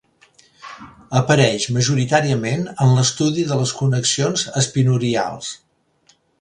Apareix majoritàriament en l'estudi de les connexions espinorials.